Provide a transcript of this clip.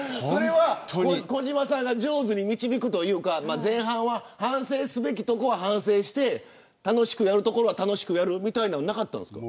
児嶋さんが上手に導くというか前半は反省すべきところは反省して楽しくやるところは楽しくやるみたいなのなかったの。